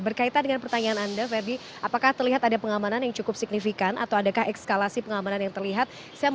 berkaitan dengan pertanyaan anda ferdi apakah terlihat ada pengamanan yang cukup signifikan atau adakah ekskalasi pengamanan yang terlihat